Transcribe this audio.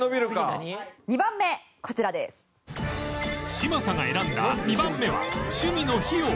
嶋佐が選んだ２番目は趣味の費用